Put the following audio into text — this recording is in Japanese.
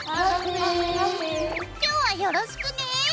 今日はよろしくね。